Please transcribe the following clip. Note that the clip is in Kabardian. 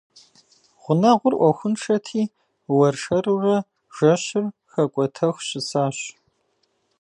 Гъунэгъур Ӏуэхуншэти, уэршэрурэ жэщыр хэкӀуэтэху щысащ.